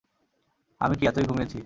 আমি কী এতই ঘুমিয়েছি?